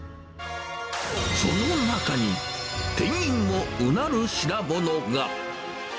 その中に、店員もうなる品物が。